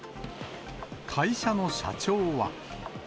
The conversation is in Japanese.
会社の社長は。